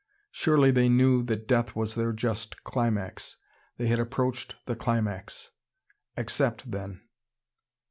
Surely they knew that death was their just climax. They had approached the climax. Accept then.